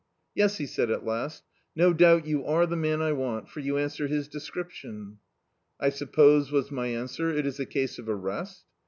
"Yes," he said, at last, "no doubt you are the man I want, for you answer his description." "I suppose," was my answer, "it is a case of arrest?"